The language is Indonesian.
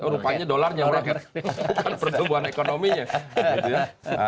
rupanya dolar yang meroket perubahan ekonominya